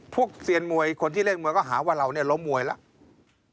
พวกเซียนมวยคนที่เรียกมวยก็หาว่าเราล้มมวยแล้ว